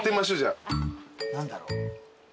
何だろう？